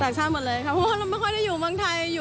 ต่างชาติหมดเลยค่ะเพราะว่าเราไม่ค่อยได้อยู่เมืองไทยอยู่